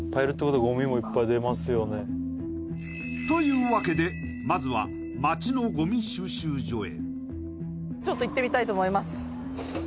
というわけで、まずは街のごみ収集所へ。